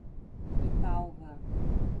Italva